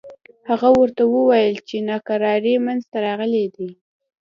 هغه ورته وویل چې ناکراری منځته راغلي دي.